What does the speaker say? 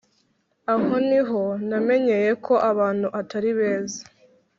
aho ni ho namenyeye ko abantu atari beza